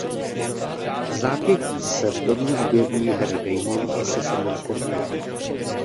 Vzápětí se v domě objeví Harry Damon i se synem Kurtem.